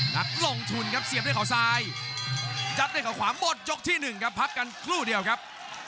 นักลงทุนครับเสียบด้วยเขาซ้ายจัดด้วยเขาขวาหมดยกที่๑ครับพักกันครู่เดียวครับ